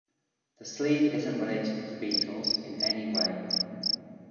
"The sleeve isn't related to the Beatles in any way".